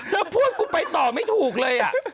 เธอพูดกูไปต่อไม่ถูกเลย